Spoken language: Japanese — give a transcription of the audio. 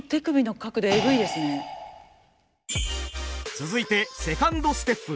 続いてセカンドステップ。